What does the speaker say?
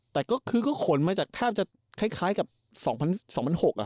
แต่ก็ขนมาถ้าจะคล้ายกับ๒๐๐๖อ่ะครับ